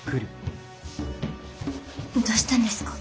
どうしたんですか？